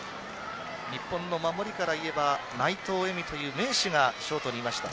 日本の守りからいえば内藤恵美という名手がショートにいました。